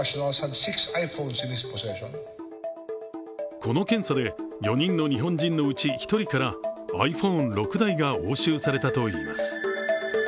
この検査で４人の日本人のうち１人からｉＰｈｏｎｅ６台が押収されたといいます。